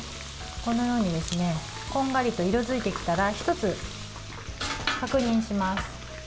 このようにこんがりと色づいてきたら１つ確認します。